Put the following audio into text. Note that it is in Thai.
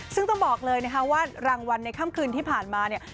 ซึ่งต้องบอกเลยนะคะว่ารางวัลในค่ำคืนที่ผ่านมาเนี่ย